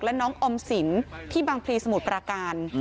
และน้องออมสินที่บางพลีสมุทรปราการ